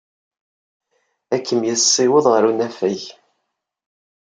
Ad kem-yessiweḍ ɣer unafag.